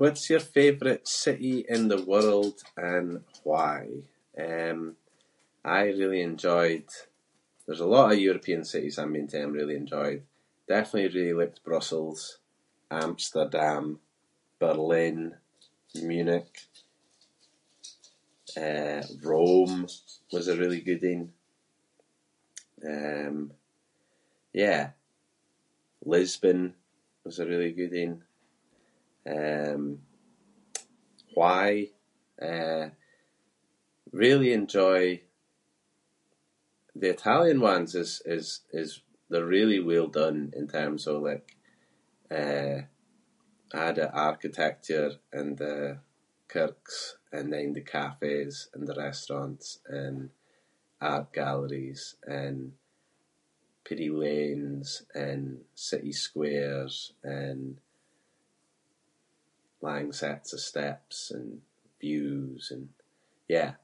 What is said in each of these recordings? What’s your favourite city in the world and why? Um, I really enjoyed- there’s a lot of European cities that I’m been to that I’m really enjoyed. Definitely really liked Brussels, Amsterdam, Berlin, Munich. Eh, Rome was a really good ain. Um, yeah. Lisbon was a really good ain. Um, why? Eh, really enjoy- the Italian ones is- is- is- they're really well done in terms of like, eh, a’ the architecture and the kirks and then the cafes and the restaurants and art galleries and peerie lanes and city squares and lang sets of steps and views and yeah-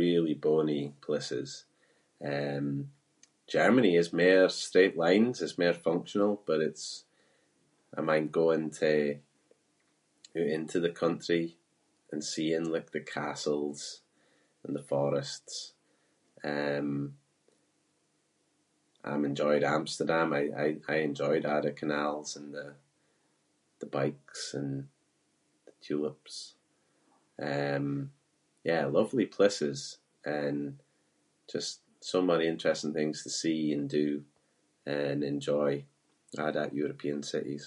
really bonnie places. Um, Germany is mair straight lines- is mair functional but it’s- I mind going to- oot into the country and seeing like the castles and the forests. Um, I’m enjoyed Amsterdam. I- I- I enjoyed all the canals and the- the bikes and the tulips. Um, yeah, lovely places and just so many interesting things to see and do and enjoy- a' that European cities.